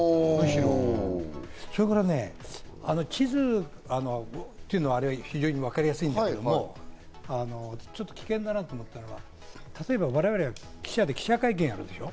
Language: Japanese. それからね、地図っていうのは、あれ非常にわかりやすいんだけど、ちょっと危険だなと思ったのは、例えば我々、記者会見をやるでしょ？